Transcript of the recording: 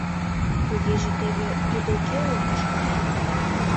Тугеже теве тудо кӧ улмаш.